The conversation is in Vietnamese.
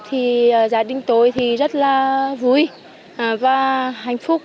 thì gia đình tôi thì rất là vui và hạnh phúc